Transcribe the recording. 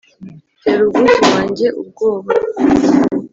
tera ubwuzu wange ubwoba.